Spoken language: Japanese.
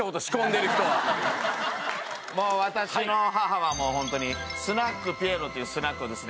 もう私の母はホントにスナック菲絵絽というスナックをですね